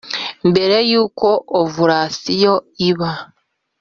mbere y’uko ovulasiyo iba